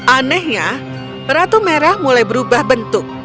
anehnya ratu merah mulai berubah bentuk